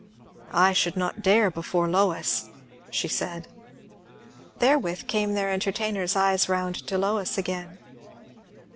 "I should not dare, before Lois," she said. Therewith came their entertainer's eyes round to Lois again.